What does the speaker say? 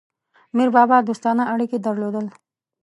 میربابا دوستانه اړیکي درلودل.